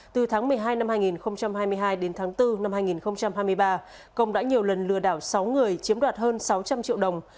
từ tháng một mươi hai năm hai nghìn hai mươi hai đến tháng bốn năm hai nghìn hai mươi ba công đã nhiều lần lừa đảo sáu người chiếm đoạt hơn sáu trăm linh triệu đồng